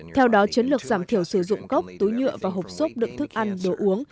theo đó chấn lược giảm thiểu sử dụng gốc túi nhựa và hộp sốt đựng thức ăn đồ uống